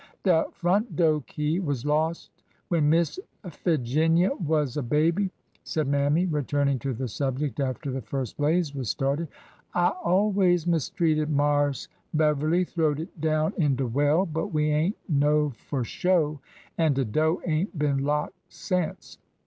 De front do' key was lost when Miss Figinia was a baby," said Mammy, returning to the subject after the first blaze was started. " I always mistrested Marse Bev erly throwed it down in de well, but we ain't know fur sho', an' de do' ain't been locked sence.